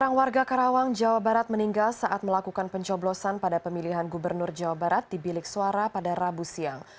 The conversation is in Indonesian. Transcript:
orang warga karawang jawa barat meninggal saat melakukan pencoblosan pada pemilihan gubernur jawa barat di bilik suara pada rabu siang